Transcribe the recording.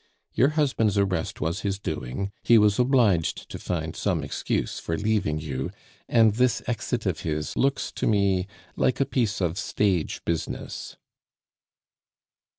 Your husband's arrest was his doing; he was obliged to find some excuse for leaving you, and this exit of his looks to me like a piece of stage business."